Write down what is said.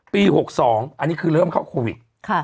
๖๒อันนี้คือเริ่มเข้าโควิด